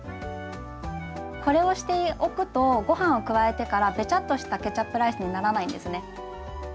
これをしておくとごはんを加えてからべちゃっとしたケチャップライスにならないんですね。